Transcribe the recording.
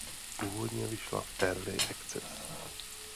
Původně vyšla v early access.